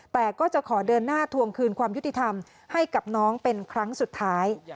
แต่ก็จะขอเดินหน้าทวงคืนความยุติธรรมให้กับน้องเป็นครั้งสุดท้าย